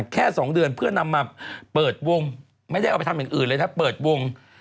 แค่๒เดือนเพื่อนำมาเปิดวงไม่ได้เอาไปทำอย่างอื่นเลยนะเปิดวง